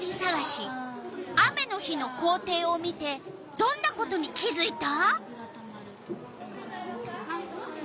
雨の日の校庭を見てどんなことに気づいた？